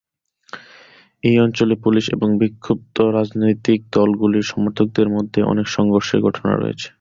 এই অঞ্চলে পুলিশ ও বিক্ষুব্ধ রাজনৈতিক দলগুলির সমর্থকদের মধ্যে অনেক সংঘর্ষের ঘটনা ঘটেছে।